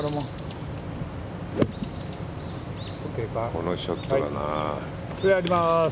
このショットがな。